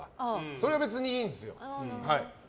それは別にいいんですよ。